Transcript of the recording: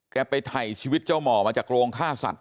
ไปถ่ายชีวิตเจ้าหมอมาจากโรงฆ่าสัตว